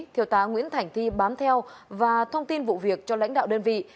thiêu tá nguyễn thành thi bám theo và thông tin vụ việc cho lãnh đạo đơn vị